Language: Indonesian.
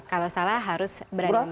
kalau salah harus berani meminta maaf